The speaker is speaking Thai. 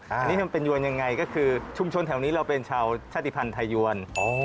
อันนี้มันเป็นยวนยังไงก็คือชุมชนแถวนี้เราเป็นชาวชาติภัณฑ์ไทยยวน